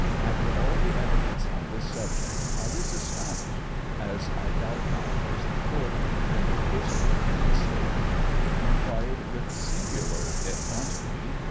After all the evidence on this subject, I was astonished, as I doubt not was the court, when the prisoner, in his state ment, inquired^ with singular effrontery, (p.